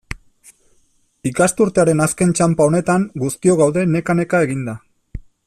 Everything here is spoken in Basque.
Ikasturtearen azken txanpa honetan, guztiok gaude neka-neka eginda.